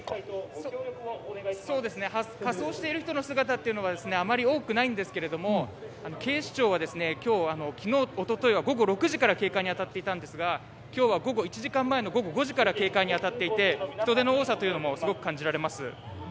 仮装している人の姿はあまり多くないんですけれども警視庁は今日、昨日、おとといは午後６時から警戒に当たっていたんですが今日は午後１時間前の午後５時から警戒に当たっていて人出の多さをすごく感じられます。